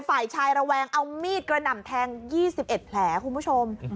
ฝ่ายชายระแวงเอามีดกระหน่ำแทง๒๑แผลคุณผู้ชม